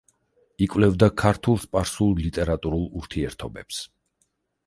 იკვლევდა ქართულ-სპარსულ ლიტერატურულ ურთიერთობებს.